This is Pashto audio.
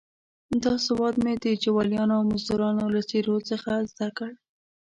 دا سواد مې د جوالیانو او مزدروانو له څېرو څخه زده کړ.